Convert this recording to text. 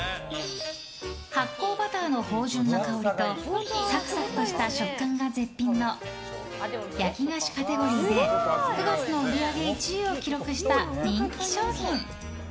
発酵バターの芳醇な香りとサクサクとした食感が絶品の焼き菓子カテゴリ−で９月の売り上げ１位を記録した人気商品。